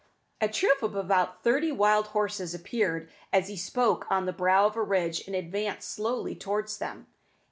A troop of about thirty wild horses appeared, as he spoke, on the brow of a ridge, and advanced slowly towards them.